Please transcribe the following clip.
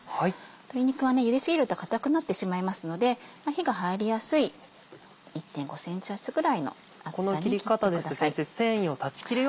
鶏肉はゆで過ぎると硬くなってしまいますので火が入りやすい１．５ｃｍ厚さぐらいの厚さに切ってください。